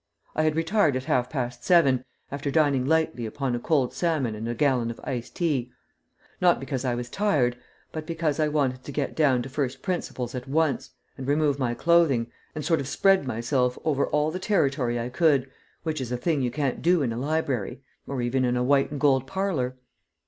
I had retired at half past seven, after dining lightly upon a cold salmon and a gallon of iced tea not because I was tired, but because I wanted to get down to first principles at once, and remove my clothing, and sort of spread myself over all the territory I could, which is a thing you can't do in a library, or even in a white and gold parlor.